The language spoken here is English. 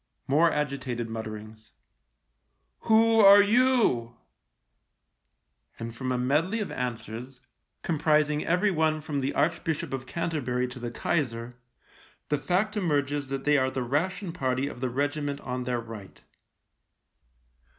More agitated mutterings :" Who are you ?" and from a medley of answers, comprising everyone from the Arch bishop of Canterbury to the Kaiser, the fact 30 THE LIEUTENANT emerges that they are the ration party of the regiment on their right.